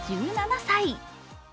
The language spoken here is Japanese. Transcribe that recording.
１７歳。